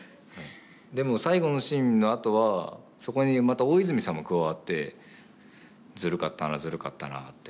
でも最後のシーンのあとはそこにまた大泉さんも加わって「ずるかったなずるかったな」って言われましたね。